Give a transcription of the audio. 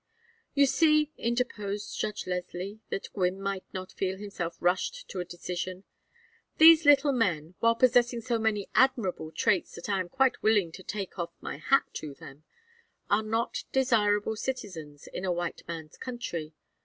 "You see," interposed Judge Leslie, that Gwynne might not feel himself rushed to a decision. "These little men, while possessing so many admirable traits that I am quite willing to take off my hat to them, are not desirable citizens in a white man's country.